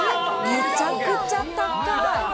めちゃくちゃ高い。